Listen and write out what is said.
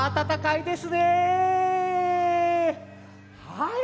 はい。